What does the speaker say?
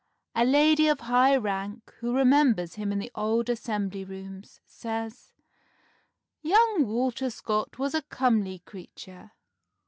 A lady of high rank, who remembers him in the Old Assembly Rooms, says, 'Young Walter Scott was a comely creature.